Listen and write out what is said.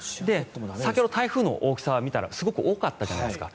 先ほど台風の大きさを見たらすごく大きかったじゃないですか。